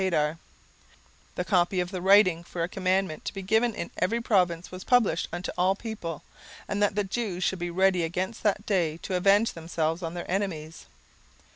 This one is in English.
17:008:013 The copy of the writing for a commandment to be given in every province was published unto all people, and that the Jews should be ready against that day to avenge themselves on their enemies.